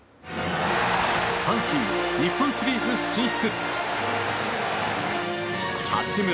阪神、日本シリーズ進出！